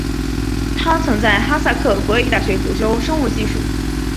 他曾在哈萨克国立大学主修生物技术。